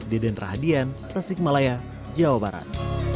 deden rahadian tasikmalaya jawa barat